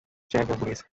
সে একজন পুলিশ।